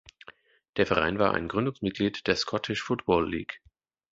Der Verein war ein Gründungsmitglied der Scottish Football League.